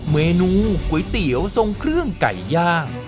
เมนูก๋วยเตี๋ยวทรงเครื่องไก่ย่าง